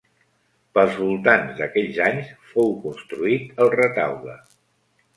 Pels voltants d'aquells anys fou construït el retaule.